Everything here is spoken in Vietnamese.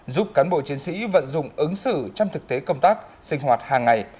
giúp cán bộ chiến sĩ vận dụng ứng xử trong thực tế công tác sinh hoạt hàng ngày